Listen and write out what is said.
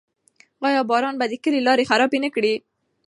آیا باران به د کلي لارې خرابې نه کړي؟